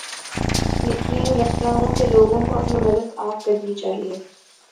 یقین رکھتا ہوں کے لوگوں کو اپنی مدد آپ کرنی چاھیے